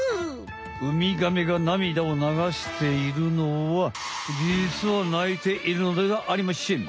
ウミガメが涙を流しているのはじつは泣いているのではありましぇん。